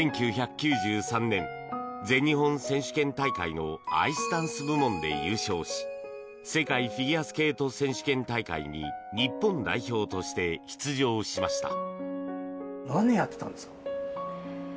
１９９３年、全日本選手権大会のアイスダンス部門で優勝し世界フィギュアスケート選手権大会に日本代表として出場しました。